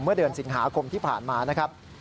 เมื่อเดือนสิงหาคมที่ผ่านมานะครับ